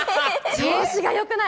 調子が良くない。